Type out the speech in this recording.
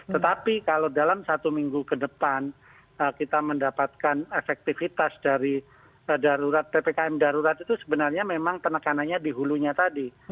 tetapi kalau dalam satu minggu ke depan kita mendapatkan efektivitas dari ppkm darurat itu sebenarnya memang penekanannya di hulunya tadi